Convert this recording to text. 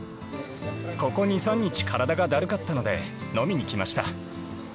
ここ２３日体がだるかったので飲みにきました。